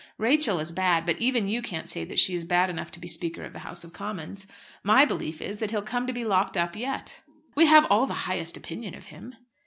Rachel is bad; but even you can't say that she is bad enough to be Speaker of the House of Commons. My belief is, that he'll come to be locked up yet." "We have all the highest opinion of him."